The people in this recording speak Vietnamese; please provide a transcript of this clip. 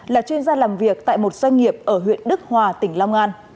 là chuyên gia làm việc tại một doanh nghiệp ở huyện đức hòa tỉnh long an